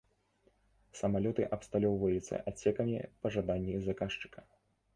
Самалёты абсталёўвацца адсекамі па жаданні заказчыка.